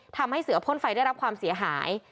ทำให้เสือพ่นไฟได้รับความเสียหาย